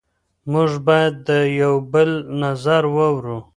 موږ باید د یو بل نظر واورو.